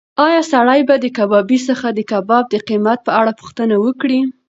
ایا سړی به د کبابي څخه د کباب د قیمت په اړه پوښتنه وکړي؟